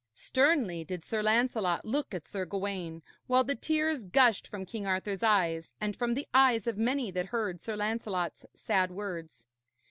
Sternly did Sir Lancelot look at Sir Gawaine, while the tears gushed from King Arthur's eyes, and from the eyes of many that heard Sir Lancelot's sad words.